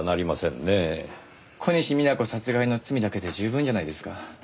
小西皆子殺害の罪だけで十分じゃないですか？